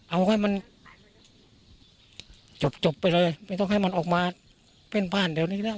เอาให้มันจบจบไปเลยไม่ต้องให้มันออกมาเป็นบ้านเดี๋ยวนี้แล้ว